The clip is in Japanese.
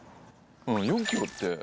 ４ｋｍって。